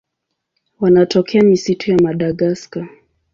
Wanatokea misitu ya Madagaska.